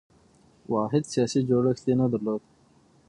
واحد سیاسي جوړښت یې نه درلود.